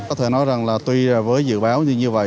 có thể nói rằng là tuy là với dự báo như vậy